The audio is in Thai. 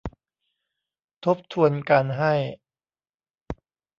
ทบทวนการให้